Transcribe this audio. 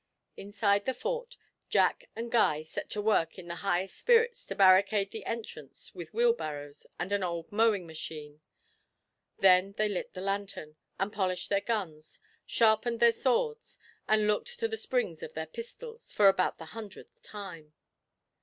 Inside the fort Jack and Guy set to work in the highest spirits to barricade the entrance with wheelbarrows and an old mowing machine; then they lit the lantern, and polished their guns, sharpened their swords, and looked to the springs of their pistols for about the hundredth time.